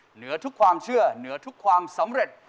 เหนือทุกความเชื่อเหนือทุกความสำเร็จ